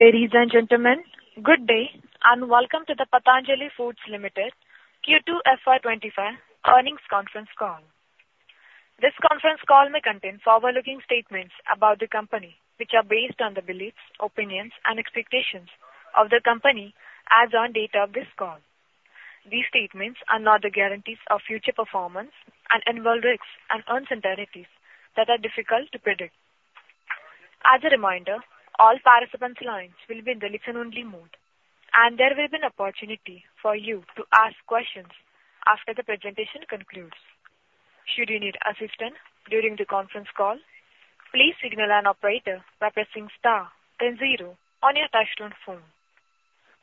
Ladies and gentlemen, good day, and welcome to the Patanjali Foods Limited Q2 FY 2025 earnings conference call. This conference call may contain forward-looking statements about the company, which are based on the beliefs, opinions, and expectations of the company as on date of this call. These statements are not the guarantees of future performance and involve risks and uncertainties that are difficult to predict. As a reminder, all participants' lines will be in listen-only mode, and there will be an opportunity for you to ask questions after the presentation concludes. Should you need assistance during the conference call, please signal an operator by pressing star then zero on your touchtone phone.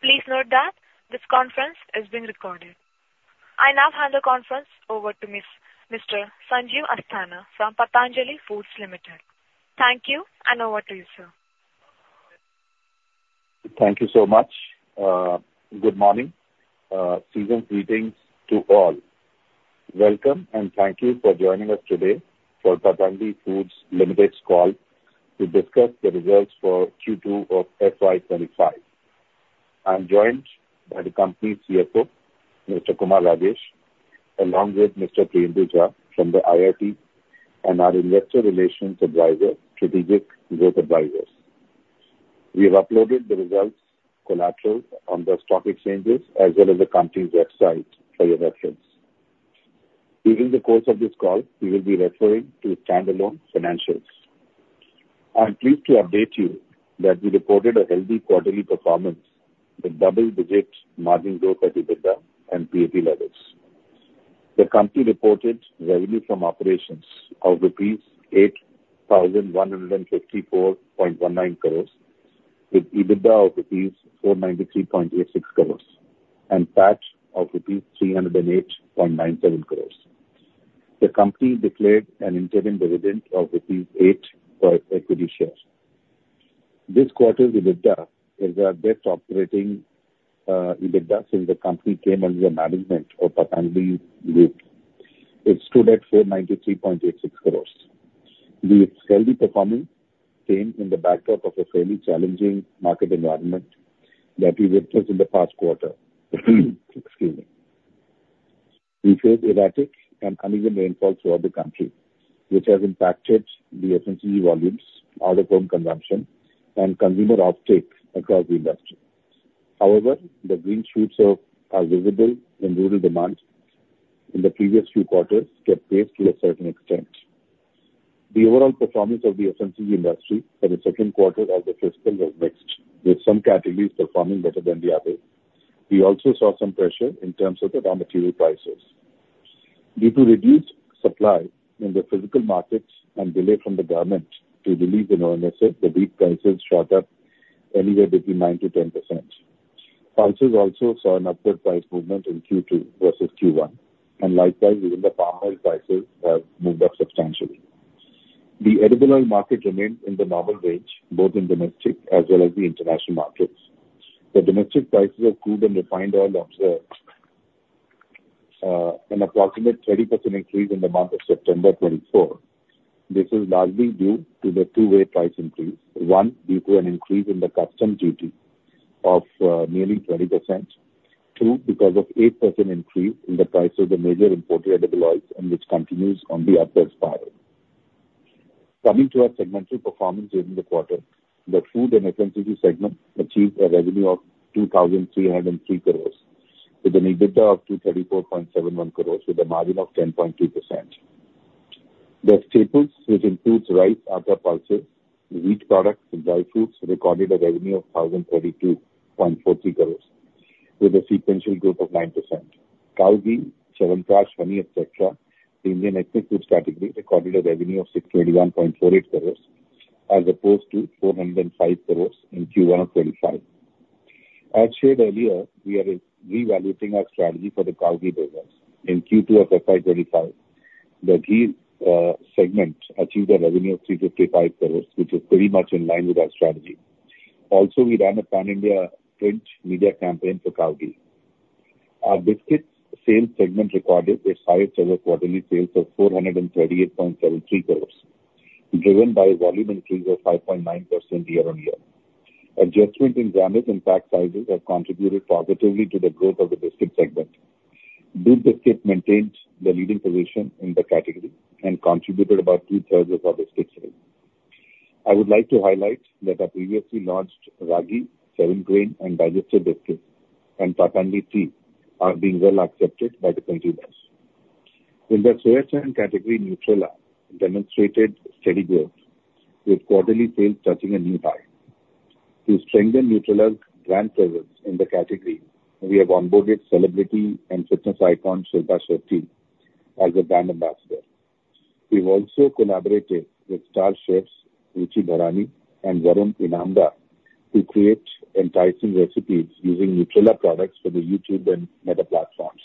Please note that this conference is being recorded. I now hand the conference over to Miss-- Mr. Sanjeev Asthana from Patanjali Foods Limited. Thank you, and over to you, sir. Thank you so much. Good morning. Season's greetings to all. Welcome, and thank you for joining us today for Patanjali Foods Limited's call to discuss the results for Q2 of FY 2025. I'm joined by the company's CFO, Mr. Kumar Rajesh, along with Mr. Priyendu Jha from the IR team, and our investor relations advisor, Strategic Growth Advisors. We have uploaded the results collateral on the stock exchanges as well as the company's website for your reference. During the course of this call, we will be referring to standalone financials. I'm pleased to update you that we reported a healthy quarterly performance with double-digit margin growth at EBITDA and PAT levels. The company reported revenue from operations of rupees 8,154.19 crores, with EBITDA of rupees 493.86 crores and PAT of rupees 308.97 crores. The company declared an interim dividend of rupees 8 per equity share. This quarter's EBITDA is our best operating EBITDA since the company came under the management of Patanjali Group. It stood at 493.86 crores. The healthy performance came in the backdrop of a fairly challenging market environment that we witnessed in the past quarter. Excuse me. We faced erratic and uneven rainfall throughout the country, which has impacted the FMCG volumes, out-of-home consumption, and consumer off-take across the industry. However, the green shoots are visible in rural demand in the previous few quarters get raised to a certain extent. The overall performance of the FMCG industry for the second quarter of the fiscal was mixed, with some categories performing better than the others. We also saw some pressure in terms of the raw material prices. Due to reduced supply in the physical markets and delay from the government to relieve the NFSA, the wheat prices shot up anywhere between 9%-10%. Pulses also saw an upward price movement in Q2 versus Q1, and likewise, even the palm oil prices have moved up substantially. The edible oil market remained in the normal range, both in domestic as well as the international markets. The domestic prices of crude and refined oil observed an approximate 20% increase in the month of September 2024. This is largely due to the two-way price increase. One, due to an increase in the custom duty of nearly 20%. Two, because of 8% increase in the price of the major imported edible oils, and which continues on the upwards spiral. Coming to our segmental performance during the quarter, the food and FMCG segment achieved a revenue of 2,303 crores, with an EBITDA of 234.71 crores, with a margin of 10.2%. The staples, which includes rice, atta, pulses, wheat products, and dry fruits, recorded a revenue of 1,032.43 crores, with a sequential growth of 9%. Cow Ghee, Chyawanprash, honey, etc., the Indian ethnic foods category recorded a revenue of 621.48 crores, as opposed to 405 crores in Q1 of 2025. As shared earlier, we are reevaluating our strategy for the Cow Ghee business. In Q2 of FY 2025, the ghee segment achieved a revenue of 355 crores, which is pretty much in line with our strategy. Also, we ran a pan-India print media campaign for Cow Ghee. Our biscuits sales segment recorded a five-figure quarterly sales of 438.73 crores, driven by a volume increase of 5.9% year on year. Adjustment in grammage and pack sizes have contributed positively to the growth of the biscuit segment. Doodh biscuits maintains the leading position in the category and contributed about two-thirds of our biscuit sales. I would like to highlight that our previously launched Ragi, seven-grain, and digestive biscuits and Patanjali Tea are being well accepted by the consumers. In the soya chunk category, Nutrela demonstrated steady growth, with quarterly sales touching a new high. To strengthen Nutrela's brand presence in the category, we have onboarded celebrity and fitness icon Shilpa Shetty as a brand ambassador. We've also collaborated with star chefs Ruchi Bharani and Varun Inamdar to create enticing recipes using Nutrela products for the YouTube and Meta platforms.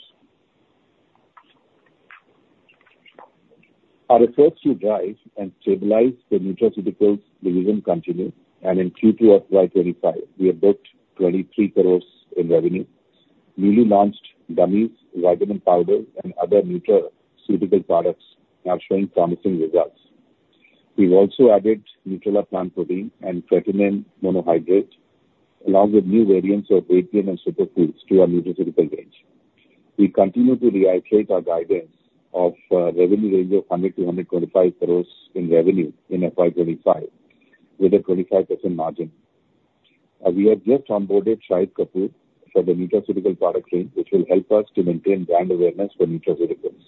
Our efforts to drive and stabilize the nutraceuticals division continue, and in Q2 of FY 2025, we have booked 23 crores in revenue. Newly launched gummies, vitamin powder, and other nutraceutical products are showing promising results. We've also added Nutrela Plant Protein and Creatine Monohydrate, along with new variants of weight gain and superfoods to our nutraceutical range. We continue to reiterate our guidance of revenue range of 100-125 crores in revenue in FY 2025, with a 25% margin. We have just onboarded Shahid Kapoor for the nutraceutical product range, which will help us to maintain brand awareness for nutraceuticals.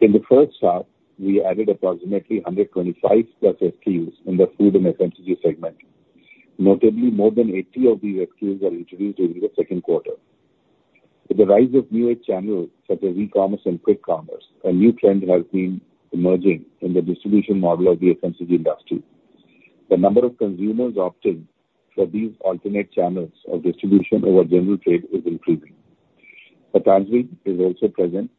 In the first half, we added approximately 125+ SKUs in the food and FMCG segment. Notably, more than 80 of these SKUs were introduced during the second quarter. With the rise of new age channels, such as e-commerce and quick commerce, a new trend has been emerging in the distribution model of the FMCG industry. The number of consumers opting for these alternate channels of distribution over general trade is increasing. Patanjali is also present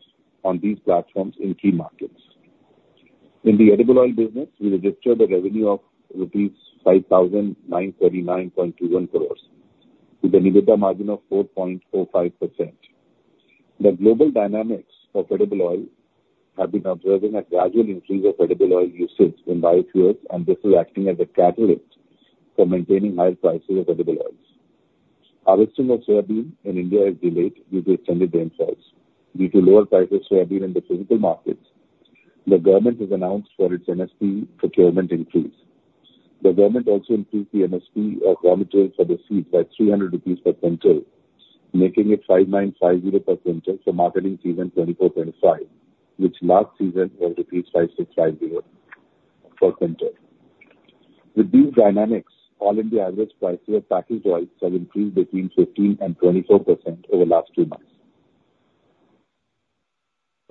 on these platforms in key markets. In the edible oil business, we registered a revenue of rupees 5,939.21 crores, with an EBITDA margin of 4.45%. The global dynamics of edible oil have been observing a gradual increase of edible oil usage in biofuels, and this is acting as a catalyst for maintaining high prices of edible oils. Harvesting of soybean in India is delayed due to extended rainfalls. Due to lower prices of soybean in the physical markets, the government has announced for its MSP procurement increase. The government also increased the MSP of raw materials for the seed by 300 rupees per quintal, making it 5,950 per quintal for marketing season 2024-2025, which last season was rupees 5,650 per quintal. With these dynamics, all India average prices of packaged oils have increased between 15% and 24% over the last two months.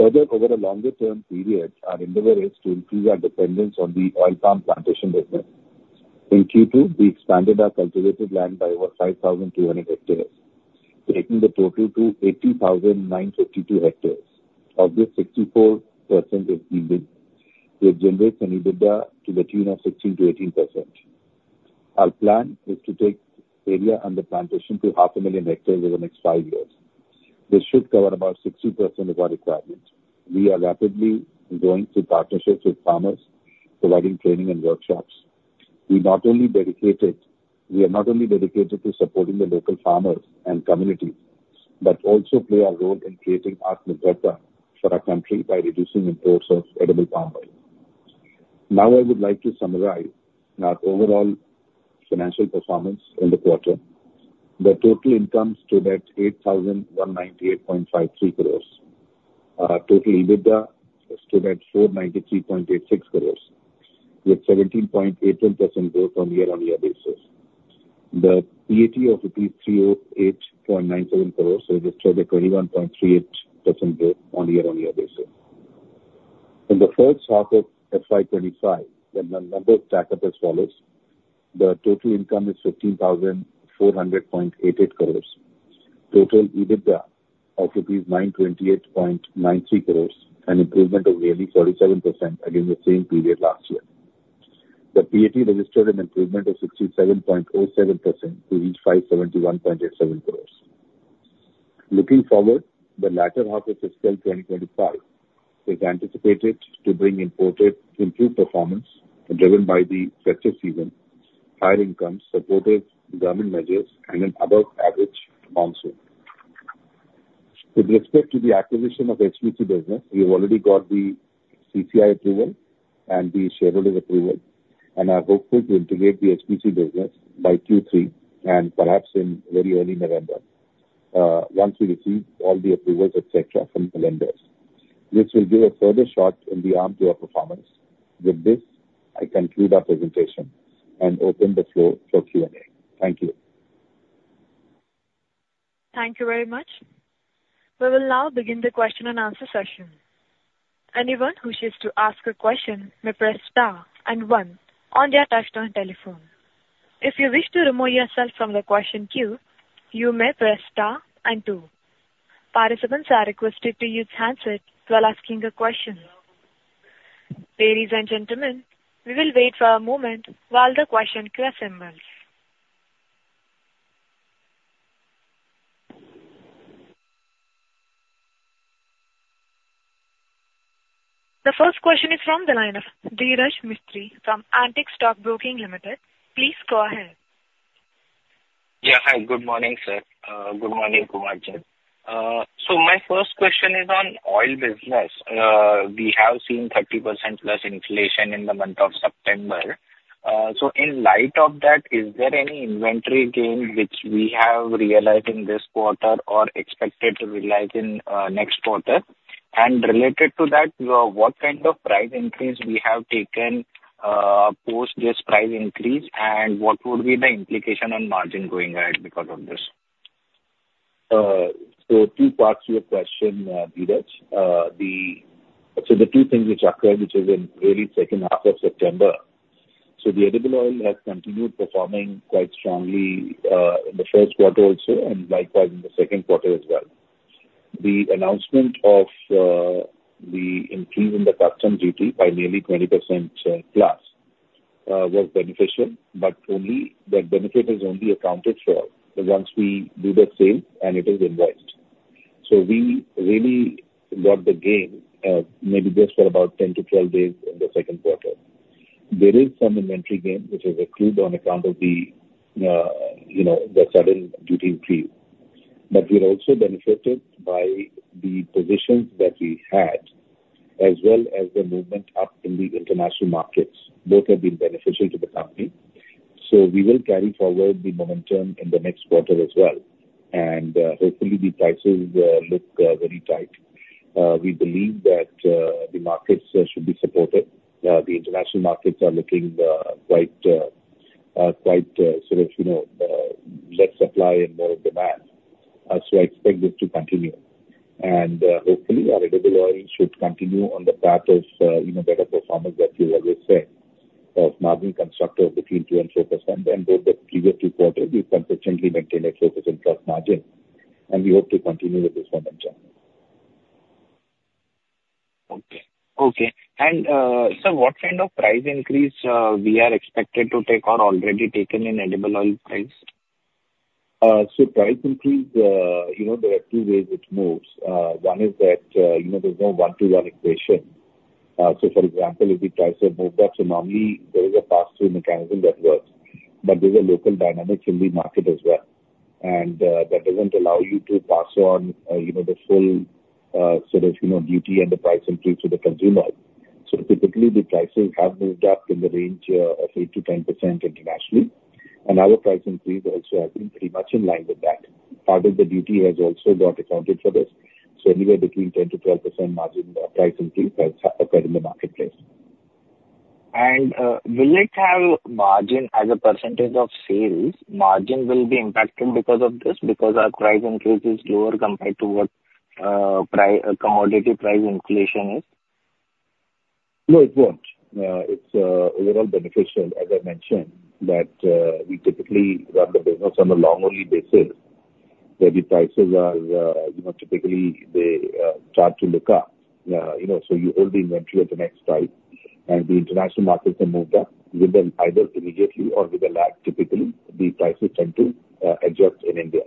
Further, over a longer term period, our endeavor is to increase our dependence on the oil palm plantation business. In Q2, we expanded our cultivated land by over 5,200 hectares, taking the total to 80,952 hectares. Of this, 64% is in wheat, which generates an EBITDA to the tune of 16%-18%. Our plan is to take area under plantation to 500,000 hectares over the next five years. This should cover about 60% of our requirements. We are rapidly going through partnerships with farmers, providing training and workshops. We are not only dedicated to supporting the local farmers and communities, but also play our role in creating atmanirbharta for our country by reducing imports of edible palm oil. Now, I would like to summarize our overall financial performance in the quarter. The total income stood at 8,198.53 crores. Our total EBITDA stood at 493.86 crores, with 17.82% growth on year-on-year basis. The PAT of 308.97 crores registered a 21.38% growth on year-on-year basis. In the first half of FY 2025, the numbers stack up as follows: The total income is 15,400.88 crores. Total EBITDA of rupees 928.93 crores, an improvement of nearly 47% against the same period last year. The PAT registered an improvement of 67.07% to reach 571.87 crores. Looking forward, the latter half of fiscal 2025 is anticipated to bring improved performance, driven by the festive season, higher income, supportive government measures, and an above average monsoon. With respect to the acquisition of HPC business, we have already got the CCI approval and the shareholder's approval, and are hopeful to integrate the HPC business by Q3 and perhaps in very early November, once we receive all the approvals, et cetera, from the lenders. This will give a further shot in the arm to our performance. With this, I conclude our presentation and open the floor for Q&A. Thank you. Thank you very much. We will now begin the question-and-answer session. Anyone who wishes to ask a question may press star and one on their touchtone telephone. If you wish to remove yourself from the question queue, you may press star and two. Participants are requested to use handset while asking a question. Ladies and gentlemen, we will wait for a moment while the question queue assembles. The first question is from the line of Dheeraj Mistry from Antique Stock Broking Limited. Please go ahead. Yeah. Hi, good morning, sir. Good morning, Kumarji. So my first question is on oil business. We have seen 30% plus inflation in the month of September. So in light of that, is there any inventory gain which we have realized in this quarter or expected to realize in next quarter? And related to that, what kind of price increase we have taken post this price increase, and what would be the implication on margin going ahead because of this? So two parts to your question, Dheeraj. The two things which occurred, which is in really second half of September. So the edible oil has continued performing quite strongly in the first quarter also, and likewise in the second quarter as well. The announcement of the increase in the customs duty by nearly 20%, plus, was beneficial, but only the benefit is only accounted for once we do the sale and it is invoiced. So we really got the gain, maybe just for about 10 days to 12 days in the second quarter. There is some inventory gain which is accrued on account of the, you know, the sudden duty increase. But we're also benefited by the positions that we had, as well as the movement up in the international markets. Both have been beneficial to the company. So we will carry forward the momentum in the next quarter as well. And, hopefully, the prices look very tight. We believe that the markets should be supported. The international markets are looking quite sort of, you know, less supply and more demand. So I expect this to continue. And, hopefully, our edible oil should continue on the path of, you know, better performance that we've always said, of margin constructive between 2% and 4%. And over the previous two quarters, we've consistently maintained a 4% plus margin, and we hope to continue with this momentum. Okay, okay. And, sir, what kind of price increase, we are expected to take or already taken in edible oil price? So price increase, you know, there are two ways it moves. One is that, you know, there's no one-to-one equation. So for example, if the prices have moved up, so normally there is a pass-through mechanism that works, but there's local dynamics in the market as well. And that doesn't allow you to pass on, you know, the full, sort of, you know, duty and the price increase to the consumer. So typically, the prices have moved up in the range of 8%-10% internationally, and our price increase also has been pretty much in line with that. Part of the duty has also got accounted for this, so anywhere between 10%-12% margin price increase has occurred in the marketplace. Will it have margin as a percentage of sales? Margin will be impacted because of this, because our price increase is lower compared to what primary commodity price inflation is? No, it won't. It's overall beneficial, as I mentioned, that we typically run the business on a long-only basis, where the prices are, you know, typically they start to look up. You know, so you hold the inventory at the next price, and the international markets are moved up, with them either immediately or with a lag, typically, the prices tend to adjust in India.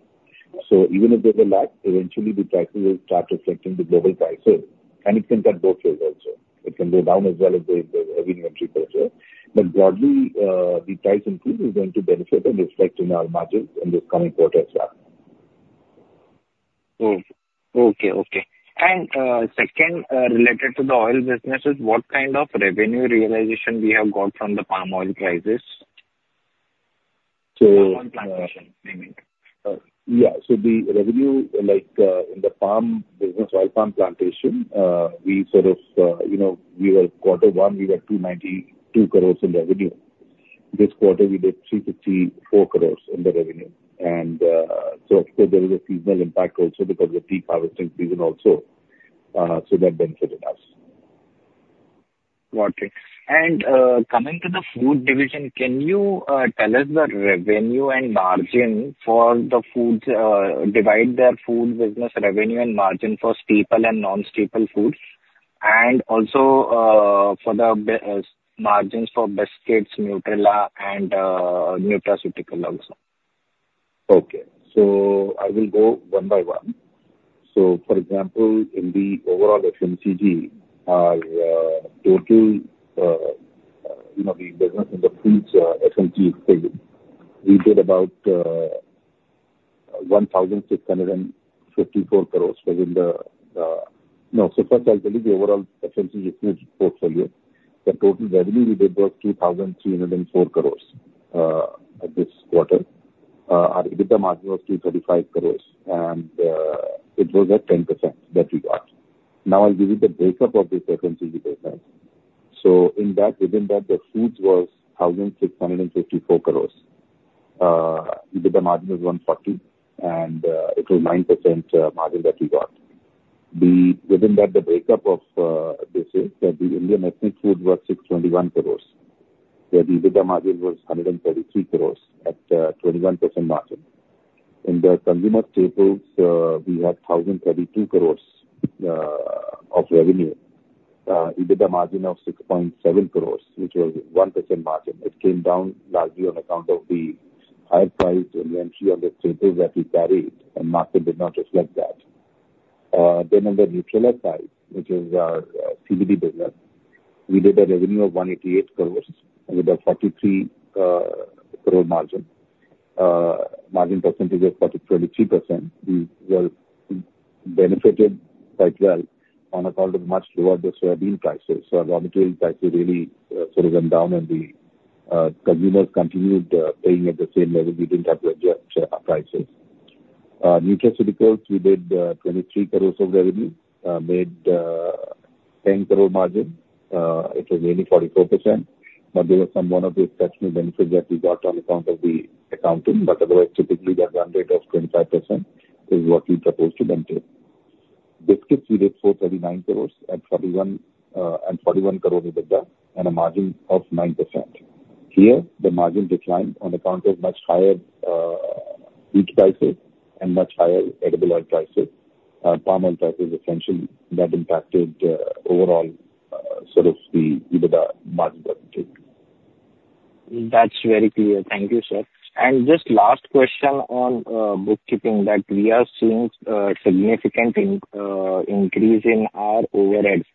So even if there's a lag, eventually the prices will start reflecting the global prices, and it can cut both ways also. It can go down as well as the inventory pressure. But broadly, the price increase is going to benefit and reflect in our margins in this coming quarter as well. Oh, okay, okay, and second, related to the oil businesses, what kind of revenue realization we have got from the palm oil crisis? So. Palm plantation, I mean. Yeah. So the revenue, like, in the palm business, oil palm plantation, we sort of, you know, we were quarter one, we were 292 crores in revenue. This quarter, we did 354 crores in the revenue. And, so of course, there is a seasonal impact also because of the peak harvesting season also, so that benefited us. Got it, and coming to the food division, can you tell us the revenue and margin for the foods, divide the food business revenue and margin for staple and non-staple foods, and also for the margins for biscuits, Nutrela, and nutraceutical also? Okay. So I will go one by one. So for example, in the overall FMCG, our total, you know, the business in the foods FMCG, we did about 1,654 crores within the... No, so first I'll tell you the overall FMCG portfolio. The total revenue we did was 2,304 crores at this quarter. EBITDA margin was 235 crores, and it was at 10% that we got. Now, I'll give you the breakup of the FMCG business. So in that, within that, the foods was 1,654 crores. EBITDA margin was 140, and it was 9% margin that we got. The. Within that, the breakup of this is the Indian ethnic food was 621 crores. The EBITDA margin was 133 crores at 21% margin. In the consumer staples, we had 1,032 crores of revenue, EBITDA margin of 6.7 crores, which was 1% margin. It came down largely on account of the higher price inventory of the staples that we carried, and market did not reflect that. Then on the Nutrela side, which is our TVP business, we did a revenue of 188 crores and with a 43 crore margin. Margin percentage was 43%. We well benefited quite well on account of much lower the soybean prices. So our raw material prices really sort of went down, and the consumers continued paying at the same level. We didn't have to adjust our prices. Nutraceuticals, we did 23 crore of revenue, made 10 crore margin. It was nearly 44%, but there was some one-off tax benefit that we got on account of the accounting. But otherwise, typically, that 25% is what we supposed to maintain. Biscuits, we did INR 439 crore and INR 41, and INR 41 crore EBITDA, and a margin of 9%.... Here, the margin declined on account of much higher food prices and much higher edible oil prices, palm oil prices, essentially, that impacted overall sort of the EBITDA margin that we took. That's very clear. Thank you, sir. And just last question on bookkeeping, that we are seeing significant increase in our overheads,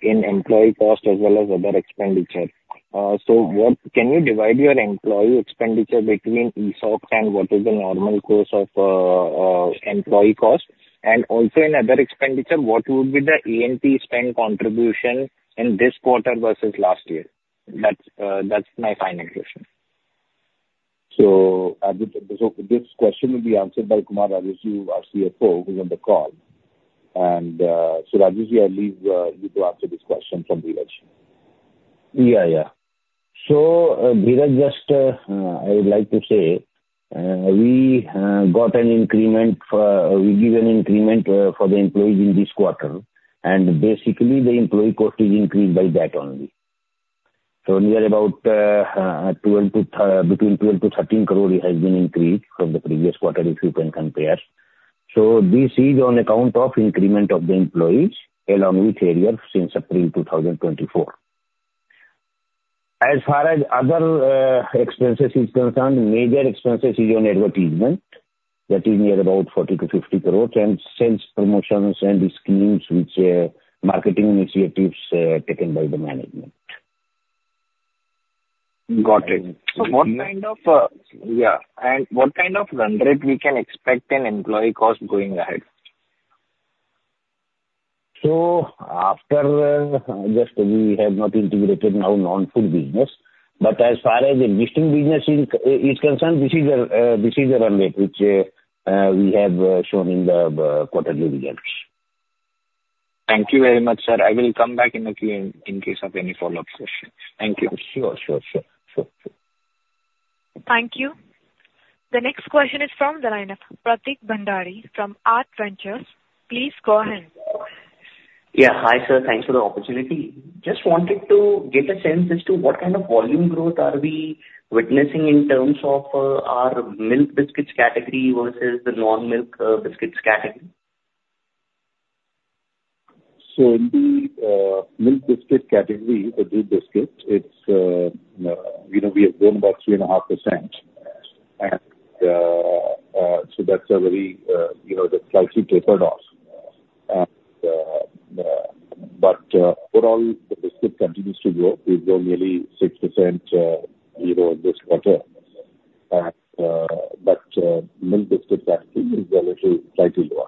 in employee cost as well as other expenditure. So, what can you divide your employee expenditure between ESOP and what is the normal course of employee cost? And also, in other expenditure, what would be the ad spend contribution in this quarter versus last year? That's my final question. This question will be answered by Kumar Rajesh, our CFO, who's on the call. Rajesh, I leave you to answer this question from Dheeraj. Yeah, yeah. So, Dheeraj, just, I would like to say, we got an increment for, we give an increment for the employees in this quarter, and basically, the employee cost is increased by that only. So near about between 12-13 crore it has been increased from the previous quarter, if you can compare. So this is on account of increment of the employees, along with arrears since April 2024. As far as other expenses is concerned, major expenses is on advertisement. That is near about 40-50 crores, and sales promotions and the schemes which marketing initiatives taken by the management. Got it. So what kind of run rate we can expect in employee cost going ahead? So after, just we have not integrated now non-food business, but as far as existing business is concerned, this is a run rate which we have shown in the quarterly results. Thank you very much, sir. I will come back in the queue in case of any follow-up questions. Thank you. Sure. Thank you. The next question is from the line of Prateek Bhandari from AART VENTURES. Please go ahead. Yeah. Hi, sir. Thanks for the opportunity. Just wanted to get a sense as to what kind of volume growth are we witnessing in terms of, our milk biscuits category versus the non-milk, biscuits category? So, in the milk biscuits category, the milk biscuits, it's, you know, we have grown about 3.5%. And, so that's a very, you know, that's slightly tapered off. And, but, overall, the biscuit continues to grow. We've grown nearly 6%, you know, this quarter. And, but, milk biscuits actually is a little slightly lower.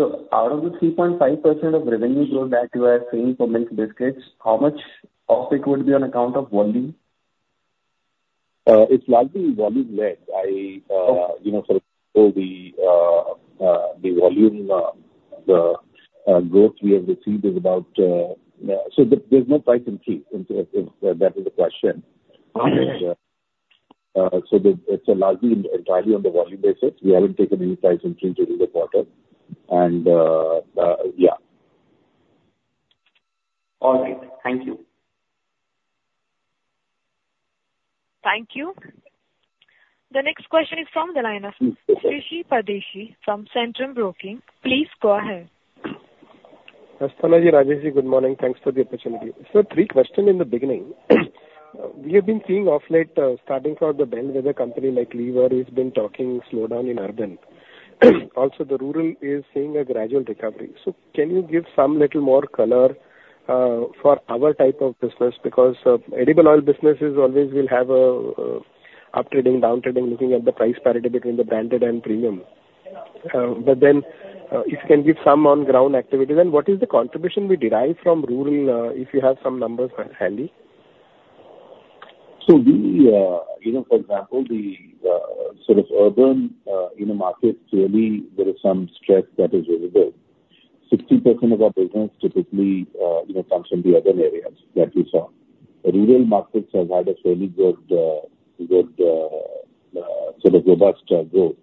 So out of the 3.5% of revenue growth that you are seeing for milk biscuits, how much of it would be on account of volume? It's largely volume-led. I, Okay. You know, so the volume growth we have received is about. So there's no price increase, if that is the question. Uh, huh. So, it's largely entirely on the volume basis. We haven't taken any price increase in the quarter, and yeah. All right. Thank you. Thank you. The next question is from the line of Shirish Pardeshi from Centrum Broking. Please go ahead. Rajesh ji, good morning. Thanks for the opportunity. So three questions in the beginning. We have been seeing of late, starting from the bandwidth, a company like Lever has been talking slowdown in urban. Also, the rural is seeing a gradual recovery. So can you give some little more color for our type of business? Because, edible oil business is always will have a uptrending, downtrending, looking at the price parity between the branded and premium. But then, if you can give some on-ground activities, and what is the contribution we derive from rural, if you have some numbers handy. So we, you know, for example, the sort of urban in the markets, really there is some stress that is visible. 60% of our business typically, you know, comes from the urban areas that we saw. The rural markets have had a fairly good sort of robust growth.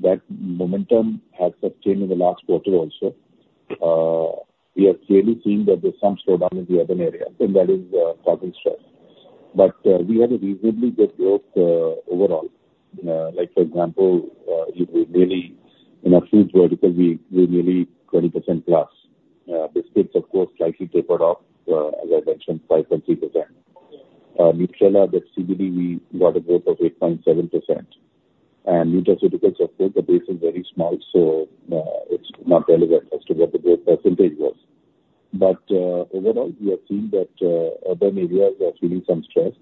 That momentum has sustained in the last quarter also. We are clearly seeing that there's some slowdown in the urban area, and that is causing stress. But we have a reasonably good growth overall. Like, for example, if we really in our foods vertical, we, we're nearly 20% plus. Biscuits, of course, slightly tapered off, as I mentioned, 5.3%. Nutrela that CVD, we got a growth of 8.7%. And nutraceuticals, of course, the base is very small, so it's not relevant as to what the growth percentage was. But overall, we have seen that urban areas are feeling some stress.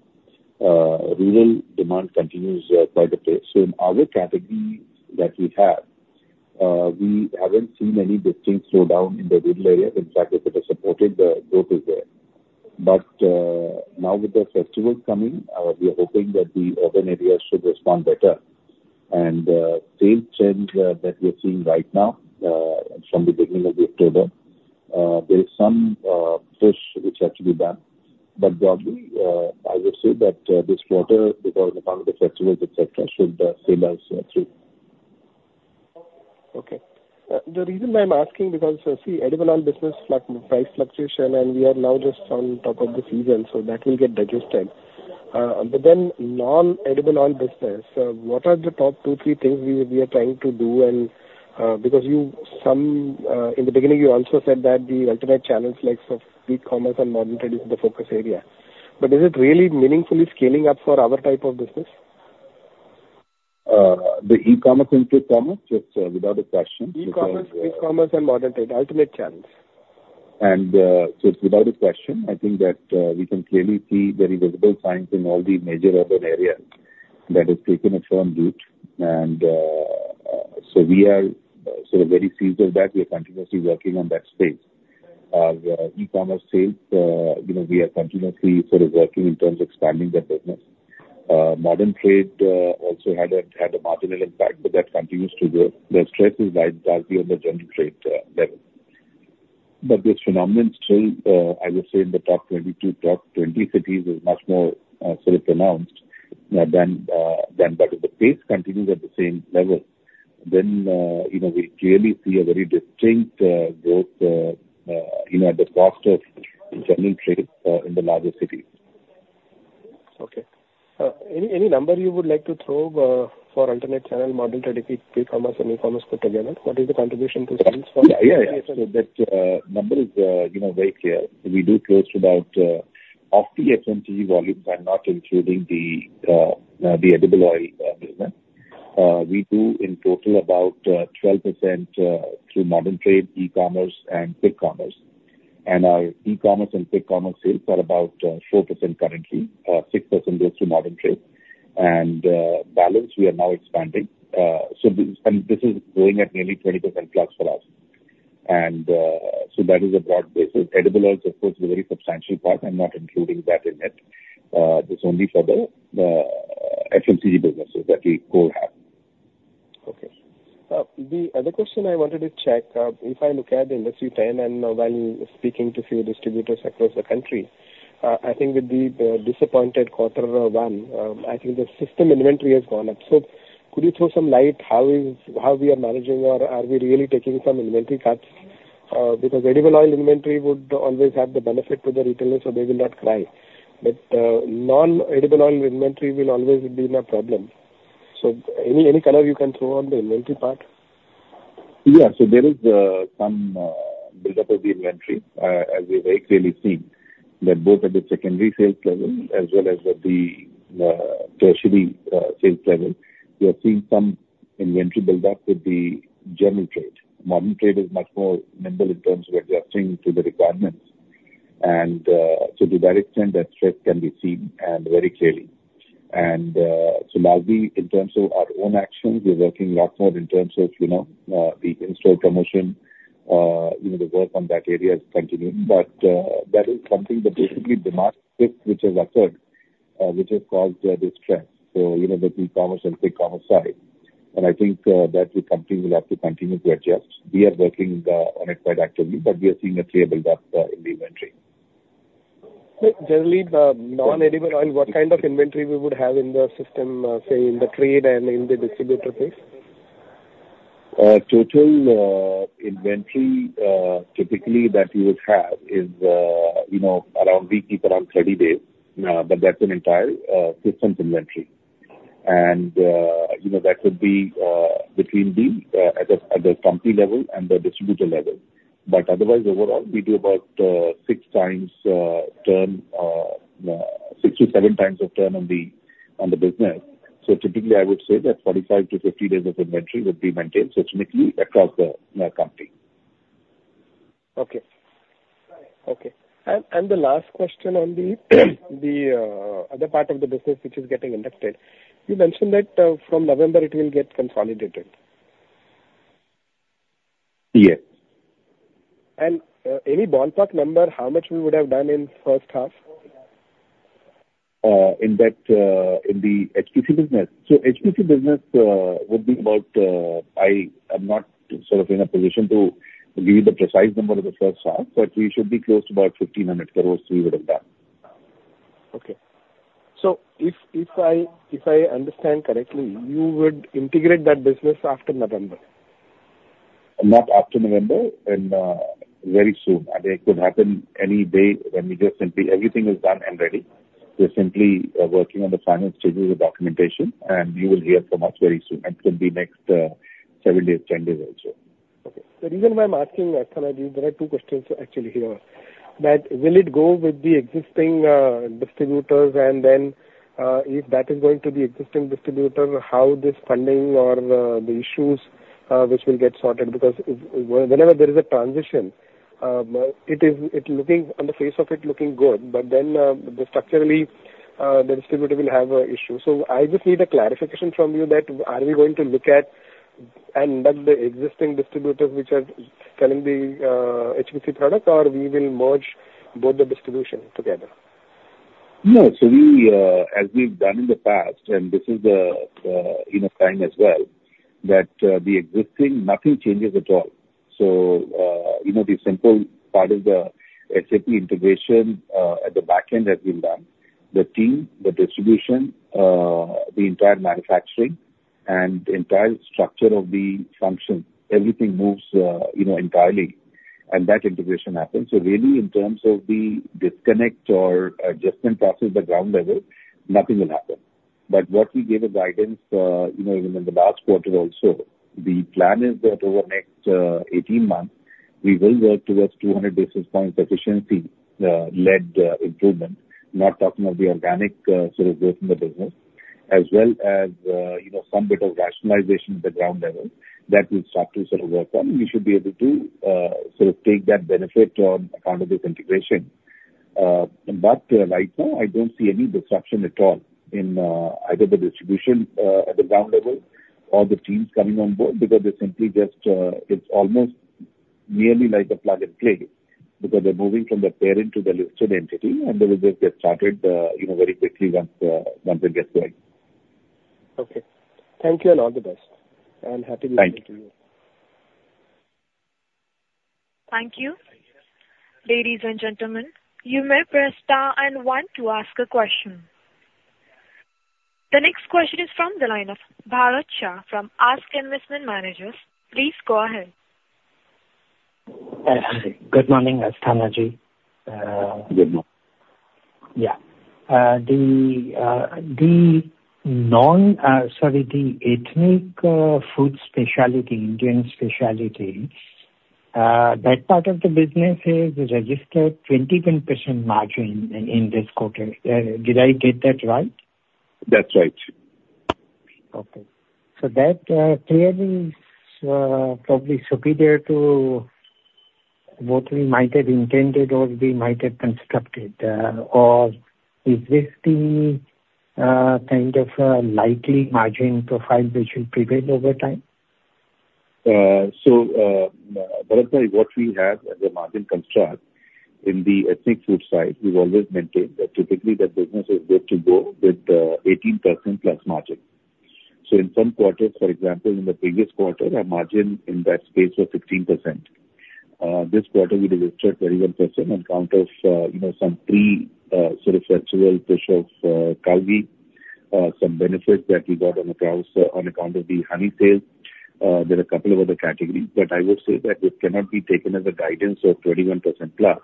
Rural demand continues quite okay. So in our categories that we have, we haven't seen any distinct slowdown in the rural areas. In fact, if it has supported, the growth is there. But now with the festivals coming, we are hoping that the urban areas should respond better. And sales trend that we're seeing right now from the beginning of October, there is some push, which had to be done. But broadly, I would say that this quarter, because of some of the festivals, et cetera, should stabilize through. Okay. The reason I'm asking, because, see, edible oil business price fluctuation, and we are now just on top of the season, so that will get digested. But then non-edible oil business, what are the top two, three things we are trying to do? And, because you, some, in the beginning, you also said that the alternate channels, like, so e-commerce and modern trade is the focus area. But is it really meaningfully scaling up for our type of business? The e-commerce and quick commerce, it's without a question, because. E-commerce, e-commerce and modern trade, ultimate channels. And, so it's without a question, I think that, we can clearly see very visible signs in all the major urban areas that has taken a firm root, and, so we are sort of very seized of that. We are continuously working on that space. The e-commerce sales, you know, we are continuously sort of working in terms of expanding that business. Modern trade also had a marginal impact, but that continues to grow. The strength is largely on the general trade level. But this phenomenon still, I would say in the top 22, top 20 cities, is much more, sort of pronounced, than... But if the pace continues at the same level, then, you know, we clearly see a very distinct growth, you know, at the cost of general trade in the larger cities. Okay. Any number you would like to throw for alternate channel, modern trade, quick commerce and e-commerce put together? What is the contribution to sales for. Yeah, yeah, yeah. So that number is, you know, very clear. We do close to about of the FMCG volumes and not including the the edible oil business. We do in total about 12% through modern trade, e-commerce and quick commerce. And our e-commerce and quick commerce sales are about 4% currently, 6% goes through modern trade, and balance, we are now expanding. So this, and this is growing at nearly 20% plus for us. And so that is a broad basis. Edible oil, of course, is a very substantial part. I'm not including that in it. This only for the FMCG businesses that we co-have. Okay. The other question I wanted to check, if I look at the industry trend and while speaking to few distributors across the country, I think with the disappointing quarter one, I think the system inventory has gone up. So could you throw some light, how we are managing, or are we really taking some inventory cuts? Because edible oil inventory would always have the benefit to the retailers, so they will not cry. But non-edible oil inventory will always be in a problem. So any color you can throw on the inventory part? Yeah. So there is some build-up of the inventory, as we've very clearly seen, that both at the secondary sales level as well as at the tertiary sales level, we are seeing some inventory build-up with the general trade. Modern trade is much more nimble in terms of adjusting to the requirements. And so to that extent, that trend can be seen and very clearly. And so now we, in terms of our own actions, we're working a lot more in terms of, you know, the in-store promotion. You know, the work on that area is continuing. But that is something that basically demand shift which has occurred, which has caused this trend. So, you know, the e-commerce and quick commerce side, and I think that the company will have to continue to adjust. We are working on it quite actively, but we are seeing a clear build-up in the inventory. So generally, the non-edible oil, what kind of inventory we would have in the system, say, in the trade and in the distributor base? Total inventory typically that you would have is, you know, around. We keep around thirty days, but that's an entire systems inventory. And you know, that would be between the company level and the distributor level. But otherwise, overall, we do about six times turn, six to seven times of turn on the business. So typically, I would say that forty-five to fifty days of inventory would be maintained substantially across the company. Okay. Okay, and the last question on the other part of the business, which is getting integrated. You mentioned that from November it will get consolidated. Yes. Any ballpark number, how much we would have done in first half? In that, in the HPC business? So HPC business would be about. I am not sort of in a position to give you the precise number of the first half, but we should be close to about 1,500 crores we would have done. Okay. So if I understand correctly, you would integrate that business after November? Not after November, and very soon, and it could happen any day when we just simply... Everything is done and ready. We're simply working on the final stages of documentation, and you will hear from us very soon. It could be next several days, 10 days or so. Okay. The reason why I'm asking, Sanjiv, there are two questions actually here. That will it go with the existing distributors? And then, if that is going to the existing distributor, how this funding or the issues which will get sorted? Because whenever there is a transition, it is looking, on the face of it, looking good, but then, the structurally, the distributor will have an issue. So I just need a clarification from you that, are we going to look at and dump the existing distributors which are selling the HPC product, or we will merge both the distribution together? No. So we, as we've done in the past, and this is the, you know, time as well, that the existing, nothing changes at all. So, you know, the simple part of the SAP integration at the back end has been done. The team, the distribution, the entire manufacturing and the entire structure of the function, everything moves, you know, entirely, and that integration happens. So really, in terms of the disconnect or adjustment process at the ground level, nothing will happen. But what we gave a guidance, you know, even in the last quarter also, the plan is that over the next 18 months, we will work towards two hundred basis points efficiency led improvement. Not talking of the organic, sort of growth in the business, as well as, you know, some bit of rationalization at the ground level that we'll start to sort of work on. We should be able to, sort of take that benefit on account of this integration, but right now, I don't see any disruption at all in either the distribution at the ground level or the teams coming on board, because they're simply just, it's almost merely like a plug and play. Because they're moving from the parent to the listed entity, and they will just get started, you know, very quickly once they get going. Okay. Thank you, and all the best, and happy New Year to you. Thank you. Thank you. Ladies and gentlemen, you may press star and one to ask a question. The next question is from the line of Bharat Shah from ASK Investment Managers. Please go ahead. Yes. Good morning, Asthana Ji. Good morning. Yeah. Sorry, the ethnic food specialty, Indian specialty, that part of the business has registered 21% margin in this quarter. Did I get that right? That's right. Okay. So that clearly is probably superior to what we might have intended or we might have constructed. Or is this the kind of likely margin profile which will prevail over time? So, Bharat Shah, what we have as a margin construct in the ethnic food side, we've always maintained that typically the business is good to go with 18% plus margin. In some quarters, for example, in the previous quarter, our margin in that space was 15%. This quarter we registered 21% on account of, you know, some pre, sort of festival push of Cow ghee. Some benefits that we got on the house on account of the honey sales. There are a couple of other categories, but I would say that it cannot be taken as a guidance of 21% plus.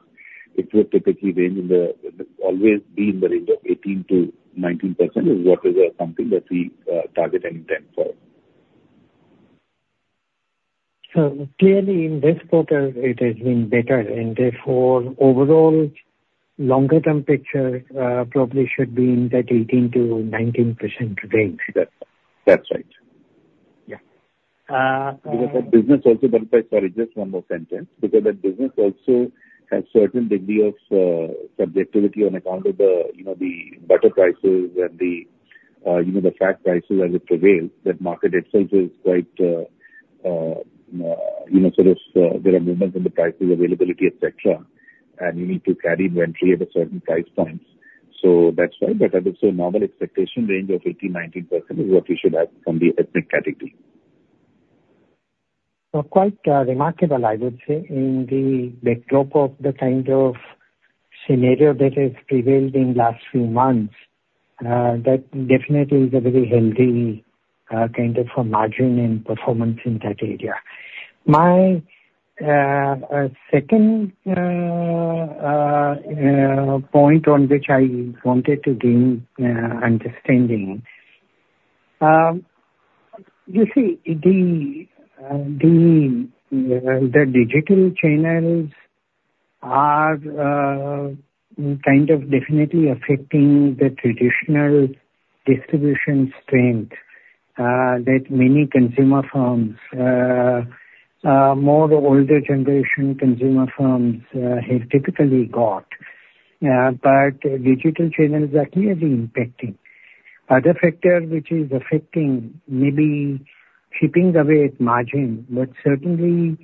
It will typically range in the, always be in the range of 18%-19%, is what is, something that we target and intend for. So clearly, in this quarter it has been better, and therefore, overall, longer term picture, probably should be in that 18%-19% range. That's, that's right. Yeah. Because that business also benefits. Sorry, just one more sentence. Because that business also has certain degree of subjectivity on account of the, you know, the butter prices and the, you know, the fat prices as it prevails. That market itself is quite, you know, sort of, there are movements in the prices, availability, et cetera, and you need to carry inventory at a certain price point. So that's why. But I would say normal expectation range of 18%-19% is what you should have from the ethnic category. So quite remarkable, I would say, in the backdrop of the kind of scenario that has prevailed in last few months, that definitely is a very healthy kind of a margin and performance in that area. My second point on which I wanted to gain understanding. You see, the digital channels are kind of definitely affecting the traditional distribution strength that many consumer firms, more older generation consumer firms, have typically got, but digital channels are clearly impacting. Other factor which is affecting, maybe chipping away at margin, but certainly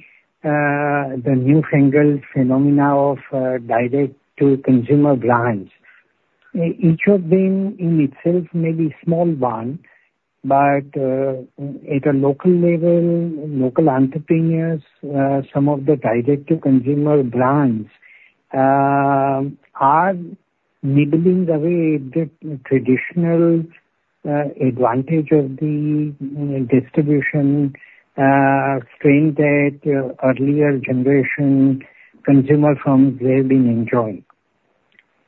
the newfangled phenomena of direct-to-consumer brands. Each of them in itself may be small brand, but at a local level, local entrepreneurs, some of the direct-to-consumer brands are nibbling away the traditional advantage of the distribution strength that earlier generation consumer firms they've been enjoying.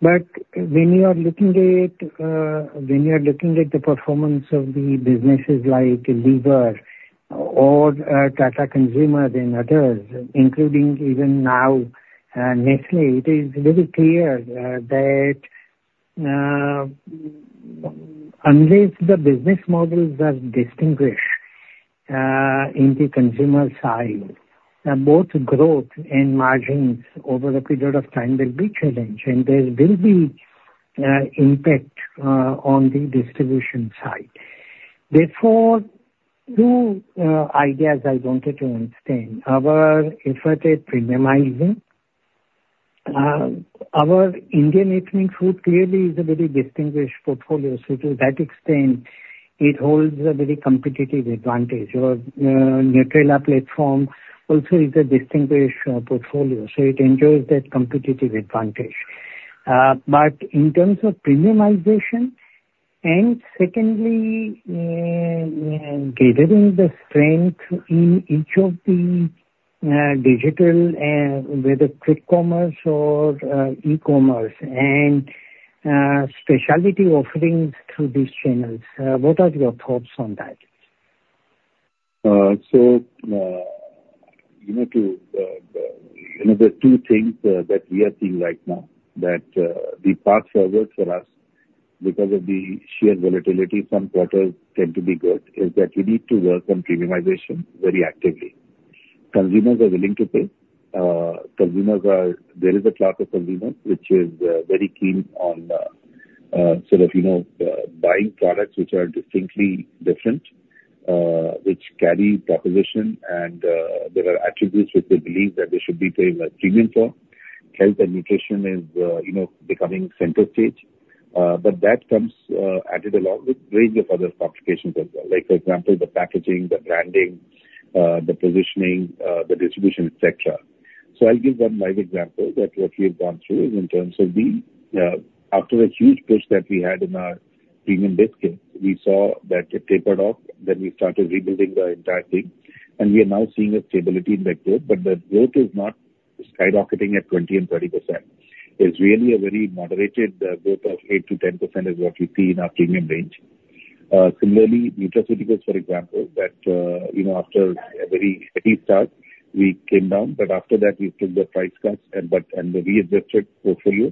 But when you are looking at the performance of the businesses like Lever or Tata Consumer and others, including even now Nestlé, it is very clear that unless the business models are distinguished in the consumer side both growth and margins over a period of time will be challenged, and there will be impact on the distribution side. Therefore, two ideas I wanted to understand. Our effort at premiumizing our Indian ethnic food clearly is a very distinguished portfolio. So to that extent it holds a very competitive advantage. Your Nutrela platform also is a distinguished portfolio, so it enjoys that competitive advantage. But in terms of premiumization, and secondly, gathering the strength in each of the digital and whether quick commerce or e-commerce and specialty offerings through these channels, what are your thoughts on that? So, you know, to the two things that we are seeing right now that the path forward for us, because of the sheer volatility, some quarters tend to be good, is that we need to work on premiumization very actively. Consumers are willing to pay. There is a class of consumers which is very keen on sort of, you know, buying products which are distinctly different, which carry proposition and there are attributes which they believe that they should be paying a premium for. Health and nutrition is, you know, becoming center stage, but that comes added along with range of other complications as well. Like, for example, the packaging, the branding, the positioning, the distribution, etc. I'll give one live example that what we have gone through in terms of the after a huge push that we had in our premium biscuit, we saw that it tapered off, then we started rebuilding the entire thing, and we are now seeing a stability in that growth. But the growth is not skyrocketing at 20% and 30%. It's really a very moderated growth of 8%-10% is what we see in our premium range. Similarly, nutraceuticals, for example, that you know, after a very heady start, we came down, but after that we took the price cuts and the readjusted portfolio.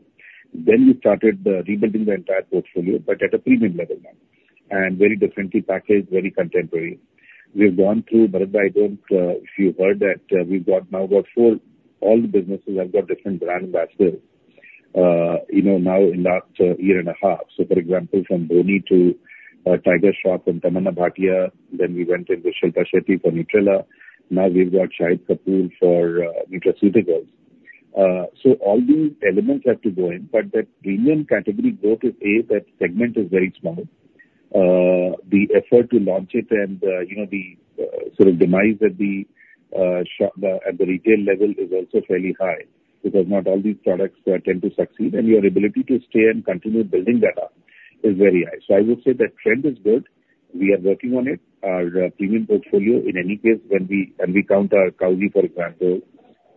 Then we started rebuilding the entire portfolio, but at a premium level now, and very differently packaged, very contemporary. We have gone through, Bharat, I don't, if you've heard that, we've got four. All the businesses have got different brand ambassadors, you know, now in last year and a half. So, for example, from Dhoni to Tiger Shroff and Tamannaah Bhatia, then we went in with Shilpa Shetty for Nutrela. Now we've got Shahid Kapoor for nutraceuticals. So all these elements have to go in, but the premium category growth is, that segment is very small. The effort to launch it and, you know, the sort of demise at the retail level is also fairly high, because not all these products tend to succeed, and your ability to stay and continue building that up is very high. So I would say the trend is good. We are working on it. Our premium portfolio, in any case, when we count our Cow Ghee, for example,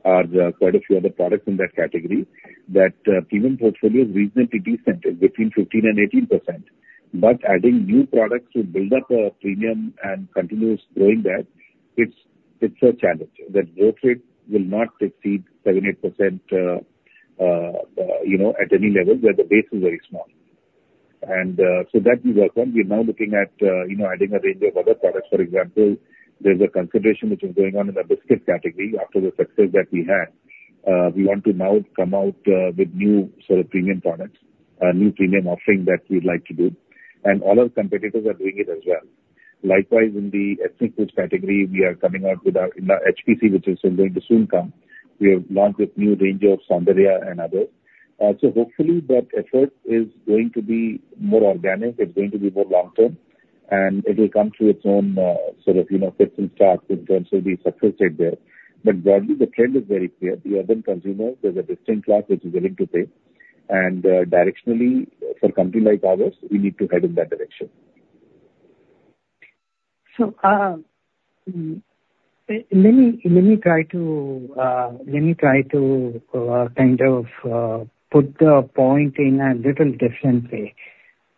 there are quite a few other products in that category. That premium portfolio is reasonably decent, is between 15%-18%. But adding new products to build up a premium and continuous growing that, it's a challenge. That growth rate will not exceed 7%-8%, you know, at any level where the base is very small. And so that we work on. We're now looking at, you know, adding a range of other products. For example, there's a consideration which is going on in the biscuit category. After the success that we had, we want to now come out with new sort of premium products, new premium offering that we'd like to do, and all our competitors are doing it as well. Likewise, in the ethnic foods category, we are coming out with our, in our HPC, which is going to soon come. We have launched a new range of Saundarya and other. So hopefully that effort is going to be more organic, it's going to be more long term, and it will come through its own, sort of, you know, fits and starts in terms of the success rate there. But broadly, the trend is very clear. The urban consumer, there's a distinct class which is willing to pay, and, directionally, for a country like ours, we need to head in that direction. Let me try to kind of put the point in a little different way.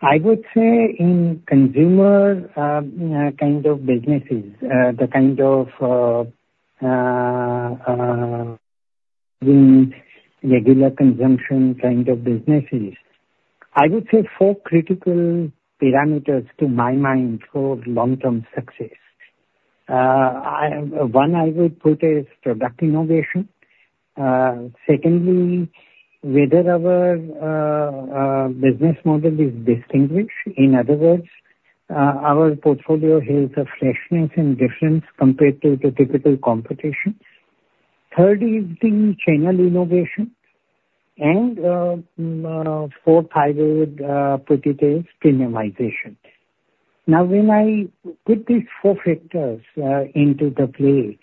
I would say in consumer kind of businesses, in regular consumption kind of businesses, I would say four critical parameters to my mind for long-term success. One I would put is product innovation. Secondly, whether our business model is distinguished. In other words, our portfolio has a freshness and difference compared to the typical competition. Third is the channel innovation, and fourth, I would put it is premiumization. Now, when I put these four factors into the play,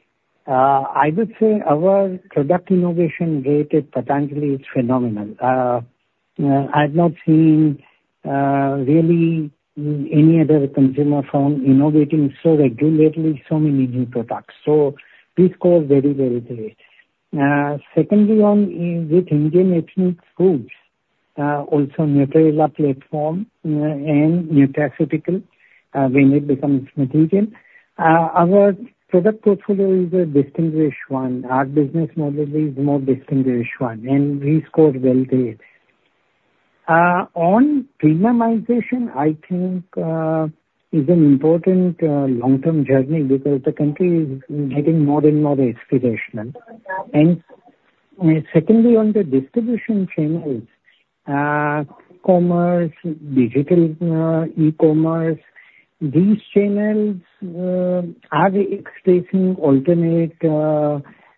I would say our product innovation rate at Patanjali is phenomenal. I've not seen really any other consumer firm innovating so regularly, so many new products. So this scores very, very great. Secondly, one is with Indian ethnic foods, also Nutrela platform, and nutraceutical, when it becomes mature. Our product portfolio is a distinguished one. Our business model is more distinguished one, and we score well there. On premiumization, I think, is an important, long-term journey because the country is getting more and more aspirational. And secondly, on the distribution channels, commerce, digital, e-commerce, these channels, are expressing alternate,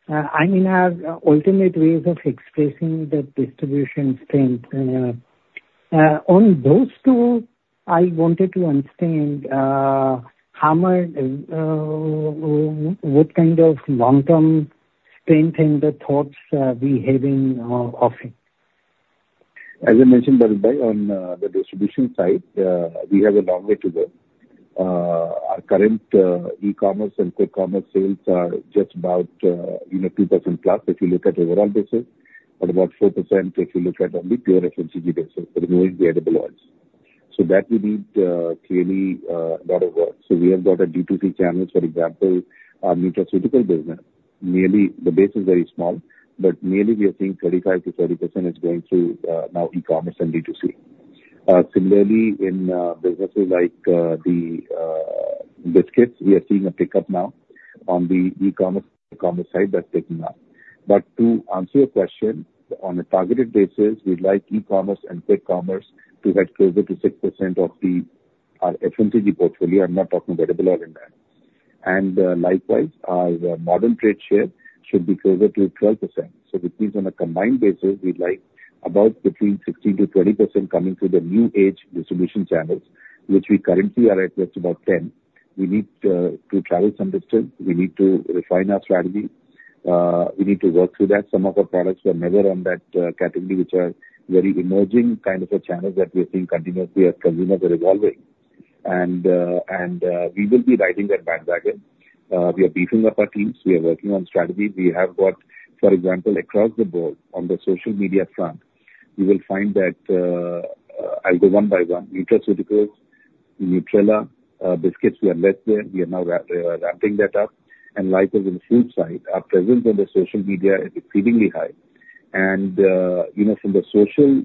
I mean, have ultimate ways of expressing the distribution strength. On those two, I wanted to understand, how much, what kind of long-term strengthening the thoughts, we having, of it? As I mentioned, Bharat, on the distribution side, we have a long way to go. Our current e-commerce and quick commerce sales are just about, you know, 2% plus if you look at overall business, and about 4% if you look at only pure FMCG business, removing the edible oils. So that will need, clearly, a lot of work. So we have got a D2C channel, for example, our nutraceutical business. Mainly, the base is very small, but mainly we are seeing 35%-40% is going through, now e-commerce and D2C. Similarly, in businesses like the biscuits, we are seeing a pickup now on the e-commerce, commerce side that's picking up. But to answer your question, on a targeted basis, we'd like e-commerce and quick commerce to get closer to 6% of our FMCG portfolio. I'm not talking edible oil in that. And likewise, our modern trade share should be closer to 12%. So this means on a combined basis, we'd like about between 16% to 20% coming through the new age distribution channels, which we currently are at just about 10%. We need to travel some distance. We need to refine our strategy. We are working on strategy. We have got, for example, across the board, on the social media front, we will find that. I'll go one by one. Nutraceuticals, Nutrela, biscuits, we are less there. We are now ramping that up. And in the food side, our presence on the social media is increasingly high. And, you know, from the social,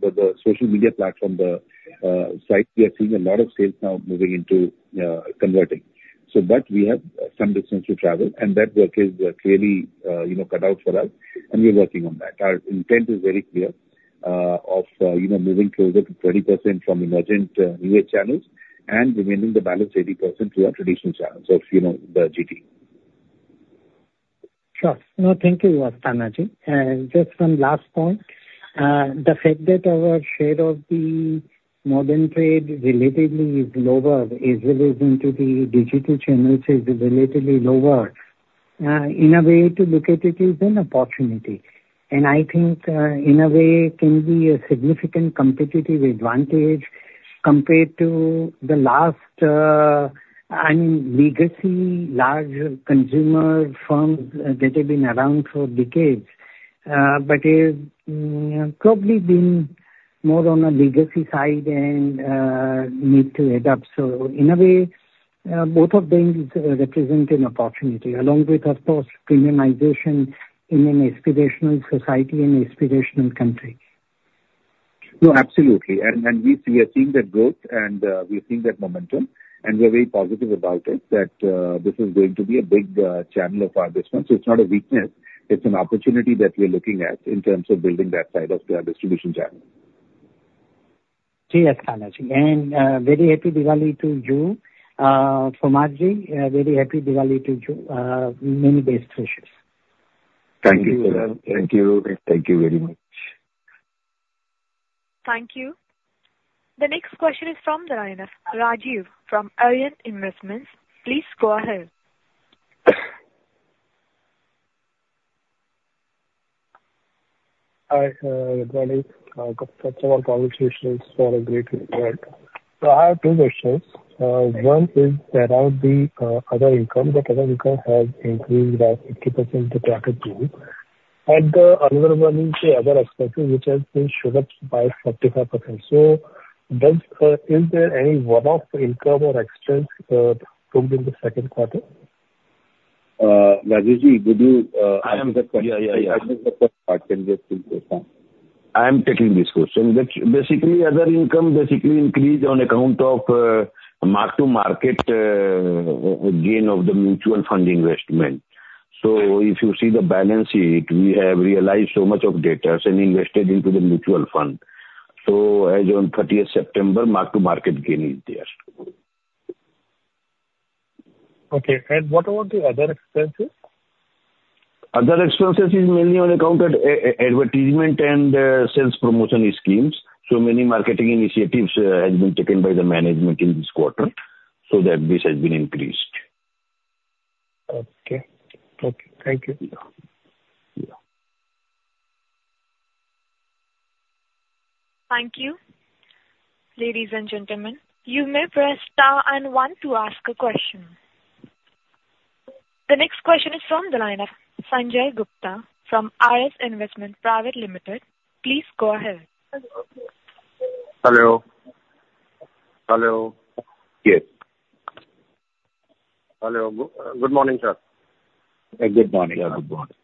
the social media platform, the site, we are seeing a lot of sales now moving into converting. So but we have some distance to travel, and that work is clearly, you know, cut out for us, and we are working on that. Our intent is very clear, of, you know, moving closer to 20% from emerging new age channels and remaining the balance 80% to our traditional channels of, you know, the GT. Sure. No, thank you, Ji. Just one last point. The fact that our share of the modern trade relatively is lower as relating to the digital channels is relatively lower, in a way to look at it is an opportunity. And I think, in a way, can be a significant competitive advantage compared to the large and legacy large consumer firms, that have been around for decades, but is probably been more on the legacy side and need to add up. So in a way, both of them is represent an opportunity, along with, of course, premiumization in an aspirational society and aspirational country. No, absolutely, and we are seeing that growth, and we are seeing that momentum, and we are very positive about it, that this is going to be a big channel of our business, so it's not a weakness, it's an opportunity that we are looking at in terms of building that side of our distribution channel. Sure, ji. Very happy Diwali to you. For Margi, very happy Diwali to you. Many best wishes. Thank you, sir. Thank you. Thank you very much. Thank you. The next question is from the line of Rajiv from Aryan Investments. Please go ahead. Hi, good morning. First of all, congratulations for a great report. So I have two questions. One is around the other income. The other income has increased by 80% quarter to. And another one is the other expenses, which has been shot up by 45%. So is there any one-off income or expense during the second quarter? Rajiv Ji, would you, I am, yeah, yeah, yeah. I am taking this question. That basically, other income basically increased on account of, mark-to-market, gain of the mutual fund investment. So if you see the balance sheet, we have realized so much of debtors and invested into the mutual fund. So as on thirtieth September, mark-to-market gain is there. Okay. And what about the other expenses? Other expenses is mainly on account of advertisement and sales promotion schemes. So many marketing initiatives has been taken by the management in this quarter, so that this has been increased. Okay. Okay, thank you. Yeah. Yeah. Thank you. Ladies and gentlemen, you may press star and one to ask a question. The next question is from the line of Sanjay Gupta from R.S.S. Investment Private Limited. Please go ahead. Hello? Hello. Yes. Hello. Good morning, sir. Good morning, good morning.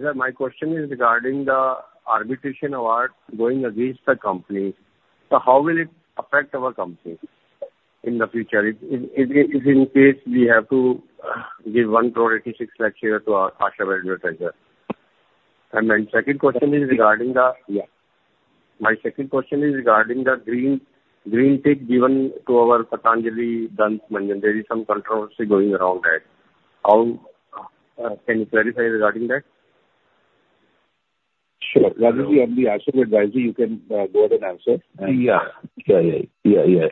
Sir, my question is regarding the arbitration award going against the company. So how will it affect our company in the future, if in case we have to give one crore eighty-six lakh share to our shareholder investor? And my second question is regarding the... Yeah. My second question is regarding the Greentech given to our Patanjali Dant Kanti. There is some controversy going around that. Can you clarify regarding that? Sure. Rajesh, on the Ashav Advisory, you can go ahead and answer. Yeah.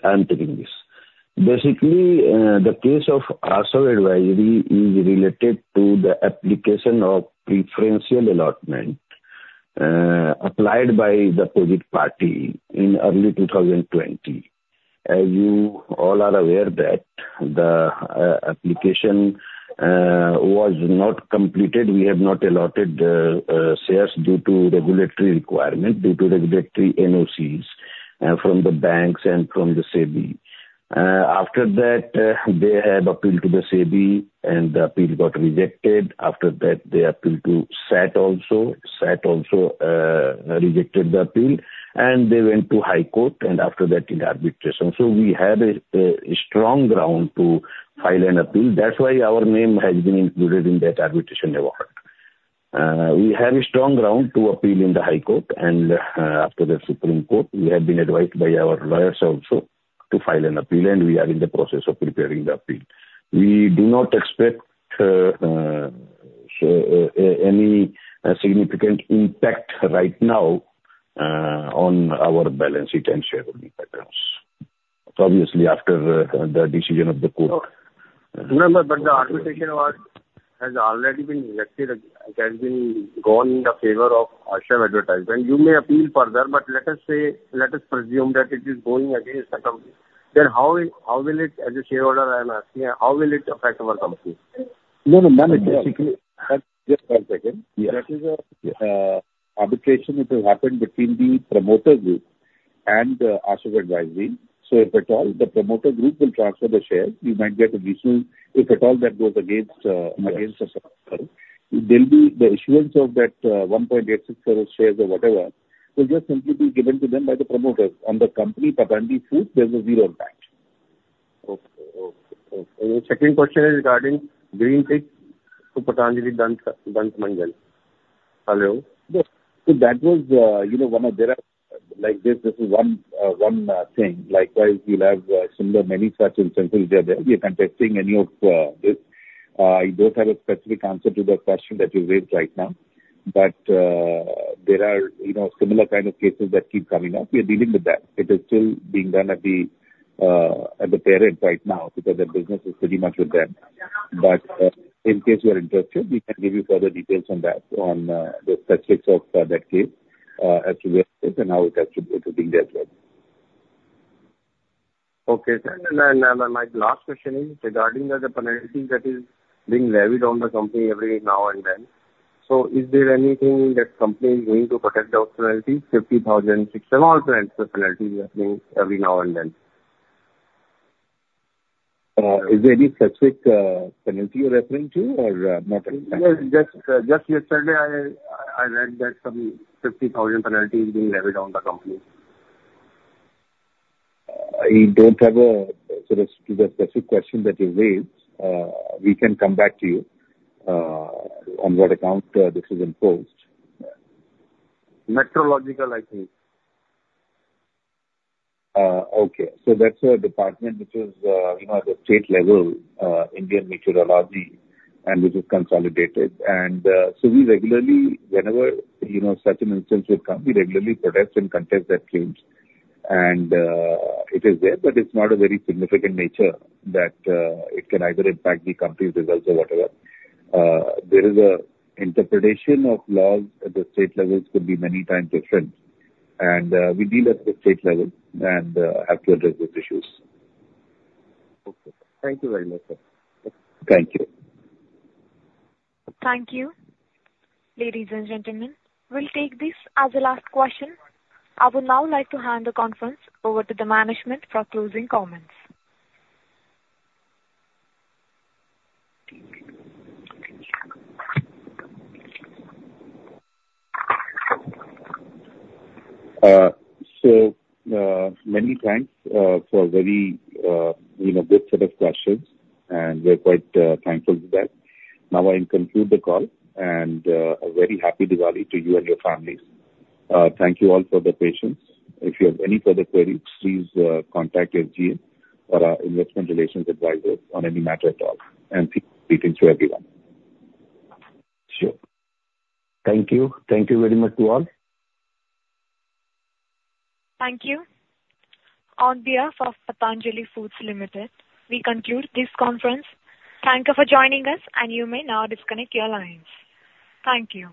I'm taking this. Basically, the case of Ashav Advisory is related to the application of preferential allotment applied by the third party in early 2020. As you all are aware that the application was not completed, we have not allotted shares due to regulatory requirement, due to regulatory NOCs from the banks and from the SEBI. After that, they had appealed to the SEBI, and the appeal got rejected. After that, they appealed to SAT also. SAT also rejected the appeal, and they went to High Court, and after that, in arbitration. So we had a strong ground to file an appeal. That's why our name has been included in that arbitration award. We have a strong ground to appeal in the High Court, and after the Supreme Court, we have been advised by our lawyers also to file an appeal, and we are in the process of preparing the appeal. We do not expect any significant impact right now on our balance sheet and shareholding patterns. So obviously, after the decision of the court. No, but the arbitration award has already been selected. It has gone in favor of Ashav advisory. You may appeal further, but let us say, let us presume that it is going against the company, then how will it, as a shareholder, I'm asking, how will it affect our company? No, no, no. Basically, just one second. Yes. That is a arbitration that has happened between the promoter group and Ashav Advisory. So if at all, the promoter group will transfer the shares, you might get a issue if at all that goes against us. There'll be the issuance of that 1.86 crores billion shares or whatever, will just simply be given to them by the promoters. And the company, Patanjali Foods, there's a zero impact. Okay, the second question is regarding doing it to Patanjali Dant, Dant Manjan. Hello? So that was, you know, one of there are. Like this, this is one thing. Likewise, we'll have similar many such instances where we are contesting any of this. I don't have a specific answer to the question that you raised right now, but there are, you know, similar kind of cases that keep coming up. We are dealing with that. It is still being done at the parent right now, because the business is pretty much with them. But in case you are interested, we can give you further details on that, on the specifics of that case, as to where and how it attributed to being there as well. Okay, then, my last question is regarding the penalty that is being levied on the company every now and then. So is there anything that company is doing to protest to the authority? 50,000, 67, all kinds of penalties every now and then. Is there any specific penalty you're referring to, or not? Just yesterday, I read that some 50,000 penalty is being levied on the company. I don't have a sort of, to the specific question that you raised. We can come back to you, on what account, this is imposed. Metrological, I think. Okay. So that's a department which is, you know, at the state level, Indian Metrology, and which is consolidated, and so we regularly, whenever, you know, such an instance will come, we regularly protest and contest those claims, and it is there, but it's not a very significant nature that it can either impact the company's results or whatever. There is an interpretation of laws at the state levels could be many times different, and we deal at the state level and actually address these issues. Okay. Thank you very much, sir. Thank you. Thank you. Ladies and gentlemen, we'll take this as a last question. I would now like to hand the conference over to the management for closing comments. So, many thanks for a very you know good set of questions, and we're quite thankful to that. Now, I will conclude the call, and a very happy Diwali to you and your families. Thank you all for the patience. If you have any further queries, please contact your GM or our Investor Relations advisor on any matter at all, and happy Diwali to everyone. Sure. Thank you. Thank you very much to all. Thank you. On behalf of Patanjali Foods Limited, we conclude this conference. Thank you for joining us, and you may now disconnect your lines. Thank you.